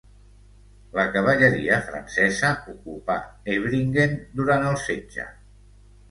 La cavalleria francesa ocupà Ebringen durant el setge.